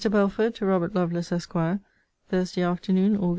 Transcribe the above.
BELFORD, TO ROBERT LOVELACE, ESQ. THURSDAY AFTERNOON, AUG.